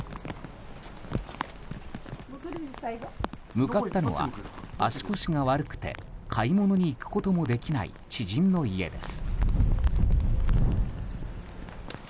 向かったのは足腰が悪くて買い物に行くこともできない知人の家です。